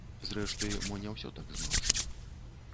Зрэшты, мо не ўсё так змрочна.